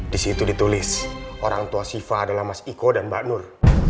di situ ditulis orang tua siva adalah mas iko dan mbak nur